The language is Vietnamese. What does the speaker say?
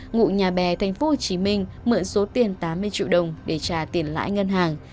ngụ nhà bè tp hcm mượn số tiền tám mươi triệu đồng để trả tiền lãi ngân hàng